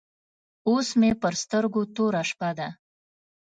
اوس مې پر سترګو توره شپه ده.